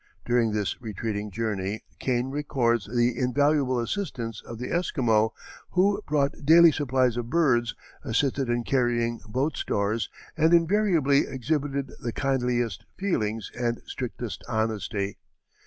During this retreating journey Kane records the invaluable assistance of the Esquimaux, who "brought daily supplies of birds, assisted in carrying boat stores, and invariably exhibited the kindliest feelings and strictest honesty."